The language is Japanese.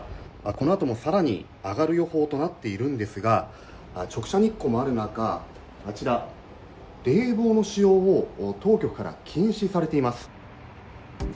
このあともさらに上がる予報となっているんですが、直射日光もある中、あちら、冷房の使用を当局から禁止されています。